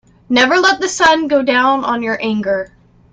Never let the sun go down on your anger.